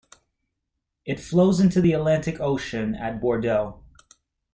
It flows into the Atlantic Ocean at Bordeaux.